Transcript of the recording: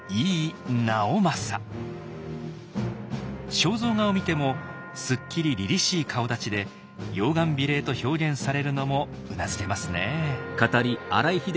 肖像画を見てもすっきりりりしい顔だちで「容顔美麗」と表現されるのもうなずけますねぇ。